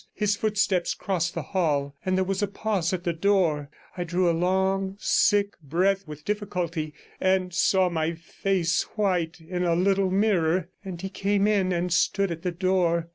His footsteps crossed the hall, and there was a pause at the door; I drew a long, sick breath with difficulty, and saw my face white in a little mirror, and he came in and stood at the door.